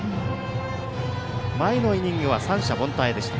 前のイニングは三者凡退でした。